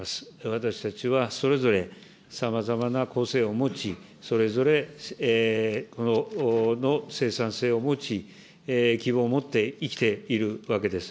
私たちはそれぞれ、さまざまな個性を持ち、それぞれの生産性を持ち、希望を持って生きているわけです。